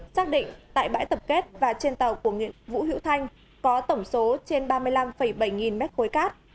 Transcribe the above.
xác định tại bãi tập kết và trên tàu của nguyễn vũ hữu thanh có tổng số trên ba mươi năm bảy nghìn mét khối cát